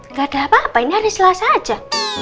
nggak ada apa apa ini hari selasa aja